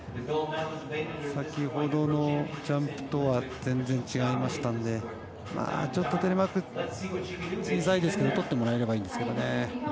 先ほどのジャンプとは全然違いましたんでちょっと小さいですけど取ってもらえればいいんですけどね。